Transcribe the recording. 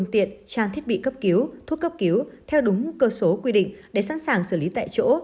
trang thiết bị cấp cứu thuốc cấp cứu theo đúng cơ số quy định để sẵn sàng xử lý tại chỗ